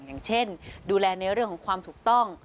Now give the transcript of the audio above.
อย่างเช่นดูแลในเรื่องของความถูกต้อง